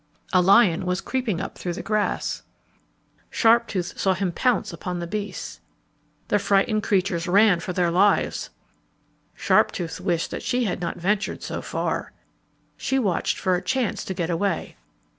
A lion was creeping up through the grass. Sharptooth saw him pounce upon the beasts. The frightened creatures ran for their lives. Sharptooth wished that she had not ventured so far. She watched for a chance to get away.